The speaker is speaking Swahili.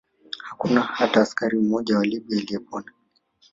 Hakuna hata askari mmoja wa Libya aliyepona